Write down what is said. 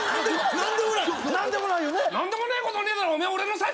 何でもねえことねえだろオメエ